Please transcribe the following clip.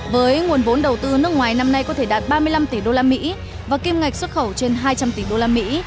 với nguồn vốn đầu tư nước ngoài năm nay có thể đạt ba mươi năm tỷ đô la mỹ và kim ngạch xuất khẩu trên hai trăm linh tỷ đô la mỹ